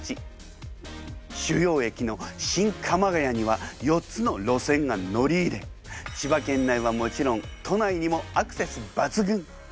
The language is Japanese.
主要駅の新鎌ケ谷には４つの路線が乗り入れ千葉県内はもちろん都内にもアクセス抜群。